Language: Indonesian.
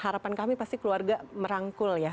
harapan kami pasti keluarga merangkul ya